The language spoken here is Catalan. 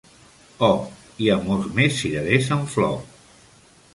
Oh, hi ha molts més cirerers en flor!